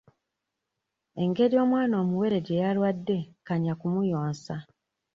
Engeri omwana omuwere gye yalwadde kanya kumuyonsa.